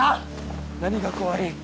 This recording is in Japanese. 何が怖い？